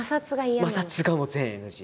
摩擦がもう全ＮＧ。